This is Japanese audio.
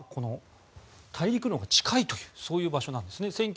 大陸のほうが近いというそういう場所なんですね。